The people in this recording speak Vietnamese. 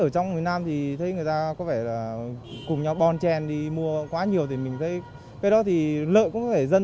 ở trong miền nam thì thấy người ta có vẻ là cùng nhau bon chen đi mua quá nhiều thì mình thấy cái đó thì lợi cũng có người dân